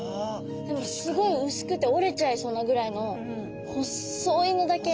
でもすごい薄くて折れちゃいそうなぐらいのほっそいのだけ。